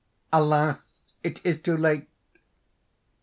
Alas, it is too late!